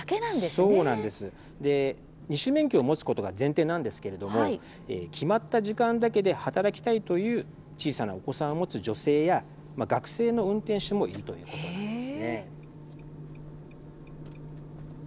二種免許を持つことが前提なんですが決まった時間だけ働きたいという小さなお子さんを持つ女性や学生の運転手もいるということなんです。